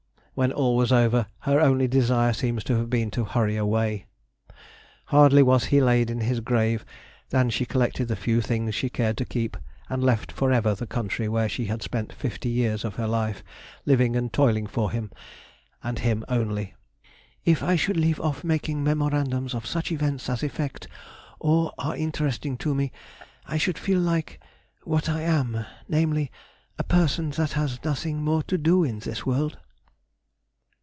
When all was over, her only desire seems to have been to hurry away. Hardly was he laid in his grave than she collected the few things she cared to keep, and left for ever the country where she had spent fifty years of her life, living and toiling for him and him only. "If I should leave off making memorandums of such events as affect, or are interesting to me, I should feel like—what I am, namely, a person that has nothing more to do in this world."